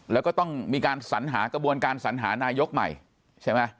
แล้วก็ต้องมีการสัญหากระบวนการสัญหานายกใหม่ใช่ไหม